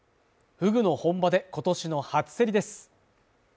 フグの本場で今年の初競りです